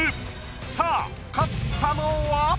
さあ勝ったのは？